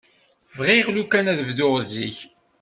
Bɣiɣ lukan ad bduɣ zik.